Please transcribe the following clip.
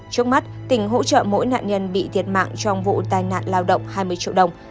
trước mắt tỉnh hỗ trợ mỗi nạn nhân bị thiệt mạng trong vụ tai nạn lao động